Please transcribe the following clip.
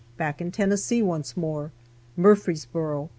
BACK IN TENNESSEE ONCE MORE. MURFREESBORO.